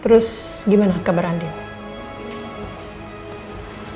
terus gimana kabar andin